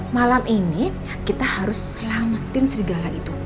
malam ini kita harus selamatin serigala itu